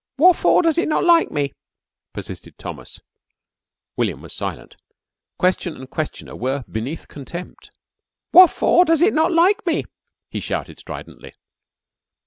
"Waffor does it not like me?" persisted Thomas. William was silent. Question and questioner were beneath contempt. "Waffor does it not like me?" he shouted stridently.